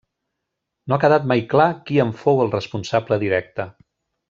No ha quedat mai clar qui en fou el responsable directe.